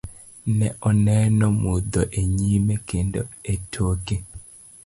Ne oneno mudho enyime kendo e toke.